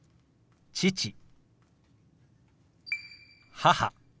「母」。